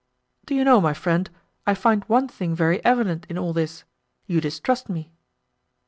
"Do you know, my friend, I find one thing very evident in all this, you distrust me."